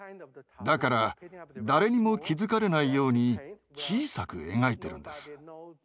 だから誰にも気付かれないように小さく描いてるんです。